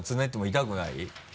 痛くない。